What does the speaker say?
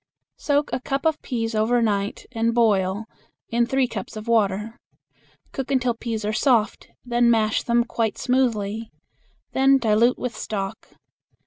Soak a cup of peas over night and boil in three cups of water. Cook until peas are soft, then mash them quite smoothly. Then dilute with stock.